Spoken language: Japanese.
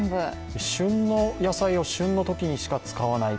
旬の野菜を旬のときにしか使わない。